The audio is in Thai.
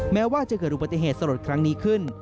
แม้ว่าจะเกิดอุบัติเหตุสลดครั้งนี้ขึ้น